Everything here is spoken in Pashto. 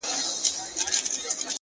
هره لاسته راوړنه د هڅې عکس دی.!